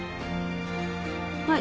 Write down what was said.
はい。